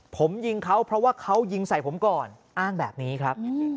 ผมยิงเขาเพราะว่าเขายิงใส่ผมก่อนอ้างแบบนี้ครับ